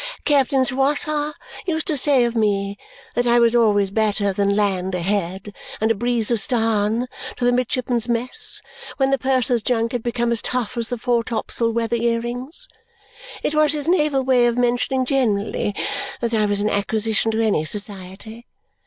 Captain Swosser used to say of me that I was always better than land a head and a breeze a starn to the midshipmen's mess when the purser's junk had become as tough as the fore topsel weather earings. It was his naval way of mentioning generally that I was an acquisition to any society.